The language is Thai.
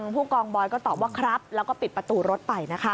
พี่กองบอยต่อว่าครับแล้วปิดประตูรถไปนะคะ